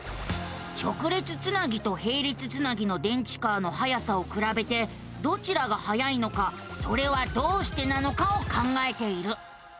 直列つなぎとへい列つなぎの電池カーのはやさをくらべてどちらがはやいのかそれはどうしてなのかを考えている。